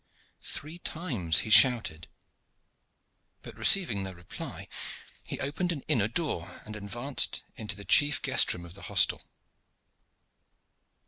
Three times he shouted, but, receiving no reply, he opened an inner door and advanced into the chief guest room of the hostel.